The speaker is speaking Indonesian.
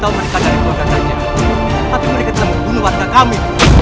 tapi mereka telah membunuh warga kami